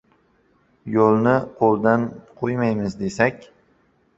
—Yo‘lni qo‘ldan qo‘ymaymiz desak